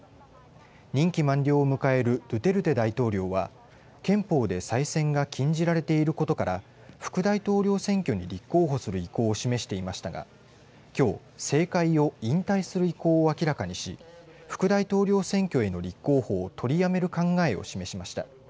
任期満了を迎えるドゥテルテ大統領は憲法で再選が禁じられていることから副大統領選挙に立候補する意向を示していましたがきょう政界を引退する意向を明らかにし副大統領選挙への立候補を取りやめる考えを示しました。